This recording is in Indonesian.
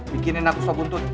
bikinin aku sop buntut